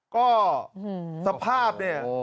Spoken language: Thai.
ก็สภาพเนี่ย